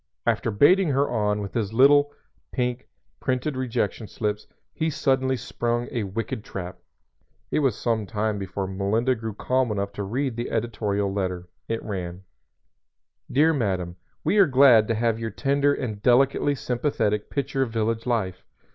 After baiting her on with his little, pink, printed rejection slips, he suddenly sprung a wicked trap. It was some time before Melinda grew calm enough to read the editorial letter. It ran: _"Dear Madam We are glad to have your tender and delicately sympathetic picture of village life.